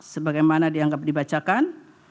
sebagai mana dianggap dibacakan